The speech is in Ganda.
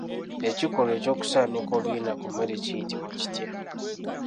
Ekikolwa eky'okusaaniika oluyina ku mmere kiyitibwa kitya?